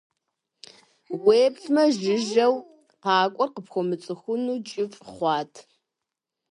Уплъэмэ, жыжьэу къакӀуэр къыпхуэмыцӀыхуну кӀыфӀ хъуат.